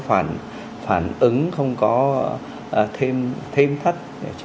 không có phản ứng không có thêm thắt